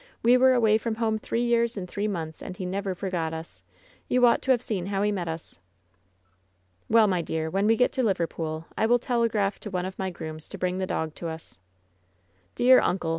We were away from home three years and three months, and he never forgot us. You ought to have seen how he met us!" "Well, my dear, when we get to Liverpool, I will tele graph to one of my grooms to bring the dog to us." "Dear uncle!